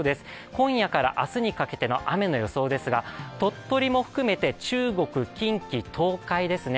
今夜から明日にかけての雨の様子ですが鳥取も含めて中国、近畿、東海ですね。